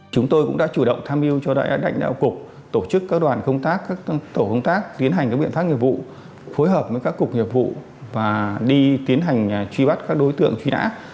chúng tôi cũng đã chủ động tham mưu cho lãnh đạo cục tổ chức các đoàn công tác các tổ công tác tiến hành các biện pháp nghiệp vụ phối hợp với các cục nghiệp vụ và đi tiến hành truy bắt các đối tượng truy nã